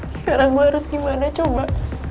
sekarang gue harus gimana coba